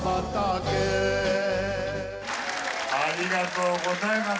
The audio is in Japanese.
ありがとうございます。